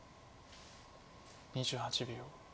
２８秒。